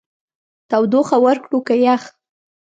تودوخه ورکړو که يخ؟